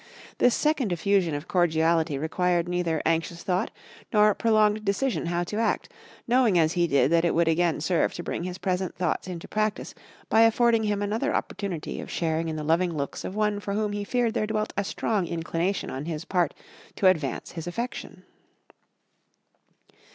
This second effusion of cordiality required neither anxious thought nor prolonged decision how to act, knowing as he did that it would again serve to bring his present thoughts into practice by affording him another opportunity of sharing in the loving looks of one for whom he feared there dwelt a strong inclination on his part to advance his affection.